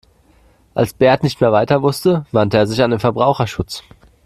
Als Bert nicht mehr weiter wusste, wandte er sich an den Verbraucherschutz.